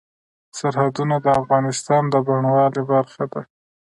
سرحدونه د افغانستان د بڼوالۍ برخه ده.